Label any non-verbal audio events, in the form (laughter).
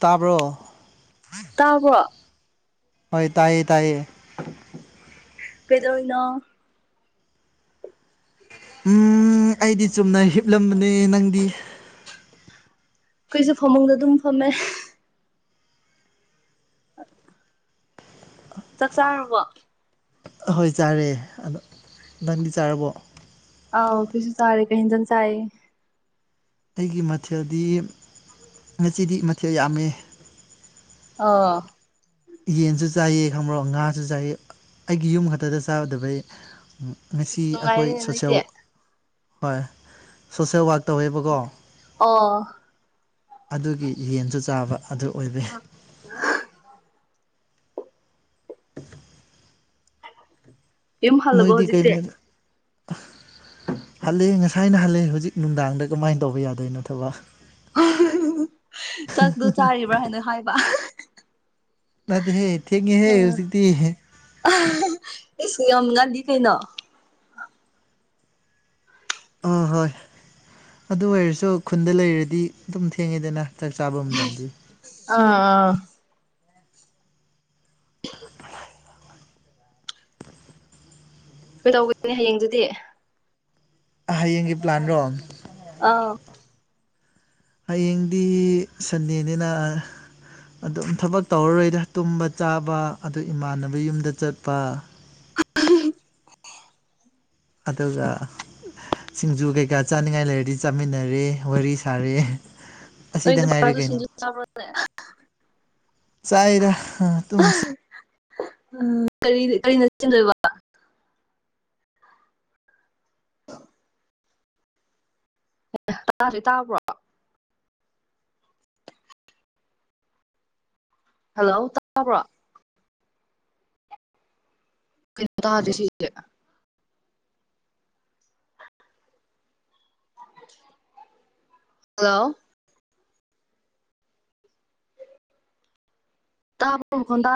ꯇꯥꯕꯣ ꯇꯥꯕꯣ ꯍꯣꯏ ꯇꯥꯏꯌꯦ ꯇꯥꯏꯌꯦ ꯄꯦꯗꯣ ꯑꯣꯏꯅꯅꯣ ꯎꯝ ꯑꯩꯗꯤ ꯆꯨꯝꯅ ꯍꯤꯞꯂꯝꯕꯅꯦ ꯅꯪꯗꯤ ꯑꯩꯈꯣꯏꯁꯨꯦ ꯐꯃꯨꯡꯗ ꯑꯗꯨꯝ ꯐꯝꯃꯦ ꯆꯥꯛ ꯆꯥꯔꯨꯕ ꯑꯍꯣꯏ ꯆꯥꯔꯦ ꯑꯗ ꯅꯪꯗꯤ ꯆꯥꯔꯕꯣ ꯑ ꯐꯁꯨ ꯆꯔꯦ ꯀꯩꯗꯟ ꯆꯑ ꯑꯩꯒꯤ ꯃꯊꯦꯜꯗꯤ ꯎꯝ ꯑꯁꯤꯤꯗꯤ ꯃꯊꯦꯜ ꯌꯥꯝꯃꯤ ꯑꯥ ꯌꯦꯟꯁꯨ ꯆꯥꯏꯌꯦ ꯈꯪꯕ꯭ꯔꯣ ꯉꯥꯁꯨ ꯆꯥꯏꯑ ꯑꯩꯒꯤ ꯌꯨꯝ ꯈꯛꯇꯗ ꯆꯥꯒꯗꯕꯩ ꯉꯁꯤ ꯑꯁ ꯑꯩꯈꯣꯏ ꯅꯨꯡꯉꯥꯏꯔꯦꯅꯦ ꯅꯣꯏꯗꯤ ꯁꯣꯁꯦꯜ ꯍꯣꯏ ꯁꯣꯁꯦꯜ ꯋꯔꯥꯛ ꯇꯧꯋꯦꯕꯀꯣ ꯑꯣ ꯑꯗꯨꯒꯤ ꯌꯦꯟꯁꯨ ꯆꯥꯕ ꯑꯗꯨ ꯑꯣꯏꯕ ꯏꯝ ꯅꯣꯏꯗꯤ ꯀꯩ ꯍꯜꯂꯕꯣꯖꯤꯇꯦ ꯍꯜꯂꯦ ꯉꯁꯥꯏꯅ ꯍꯜꯂꯦ ꯍꯧꯖꯤꯛ ꯅꯨꯡꯗꯥꯡꯗ ꯀꯃꯥꯏꯅ ꯇꯧꯕ ꯌꯥꯗꯣꯏꯅꯣ ꯊꯕꯛ ꯆꯛꯇꯣ ꯆꯥꯔꯤꯕ꯭ꯔꯥ ꯍꯥꯏꯅ ꯍꯥꯏꯕ ꯅꯗꯤ ꯍꯦ ꯊꯦꯡ ꯍꯦ ꯍꯧꯖꯤꯛꯇ ꯑꯩꯁꯨ ꯌꯥꯝ ꯉꯜꯂꯤ ꯀꯩꯅꯣ ꯑ ꯍꯣꯏ ꯑꯗꯨ ꯑꯣꯏꯔꯁꯨ ꯈꯨꯟꯗ ꯂꯩꯔꯗꯤ ꯑꯗꯨꯝ ꯊꯦꯡꯉꯤꯗꯅ ꯆꯥꯛ ꯆꯥꯕ ꯃꯇꯝꯗꯤ ꯑꯥ ꯑꯥ ꯀꯩ ꯇꯧꯕꯅꯦ ꯍꯌꯦꯡꯗꯨꯗꯤ ꯍꯌꯦꯡꯒꯤ ꯄ꯭ꯂꯥꯟꯔꯣ ꯑ ꯍꯌꯦꯡꯗꯤ ꯁꯟꯗꯦꯅꯤꯅ ꯑꯗꯨꯝ ꯊꯕꯛ ꯇꯧꯔꯔꯣꯏꯗ ꯇꯨꯝꯕ ꯆꯥꯕ ꯑꯗꯨ ꯏꯃꯥꯟꯅꯕ ꯌꯨꯝꯗ ꯆꯠꯄ (inaudible) ꯑꯗꯖ ꯑ ꯁꯤꯡꯖꯨ ꯀꯩꯀꯥ ꯆꯥꯅꯤꯡꯉꯥꯏ ꯂꯩꯔꯗꯤ ꯆꯥꯃꯤꯟꯅꯔꯦ ꯋꯥꯔꯤ ꯁꯥꯔꯦ ꯀꯣꯏ ꯑꯁꯤꯗ ꯄꯁꯨ ꯁꯤ ꯆꯔꯗꯦ ꯆꯥꯏꯔ ꯇꯨꯨꯝꯁꯤ ꯎꯝ ꯀꯔꯤ ꯀꯔꯤ ꯅꯆꯤꯟꯗꯣꯏꯕ ꯑ ꯑꯦ ꯇꯥꯁ ꯇꯥꯕ꯭ꯔꯣ ꯍꯜꯂꯣ ꯇꯕ꯭ꯔꯣ ꯀꯩꯅꯣ ꯇꯥꯗꯦ ꯁꯤꯁꯦ ꯍꯜꯂꯣ ꯇ ꯄꯨ ꯍꯣꯗ